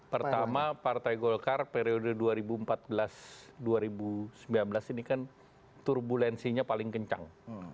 pertama partai golkar periode dua ribu empat belas dua ribu sembilan belas ini kan turbulensinya paling kencang